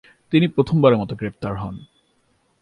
তিনি প্রথমবারের মত গ্রেফতার হন।